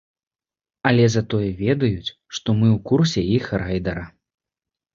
Але затое ведаюць, што мы ў курсе іх райдара.